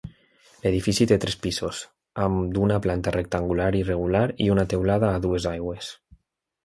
L'edifici té tres pisos, amb d'una planta rectangular irregular i una teulada a dues aigües.